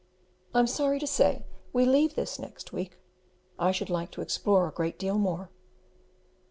I am sorry to say, we leave this next week. I should like to explore a great deal more.